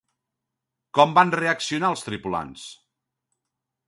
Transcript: Com van reaccionar els tripulants?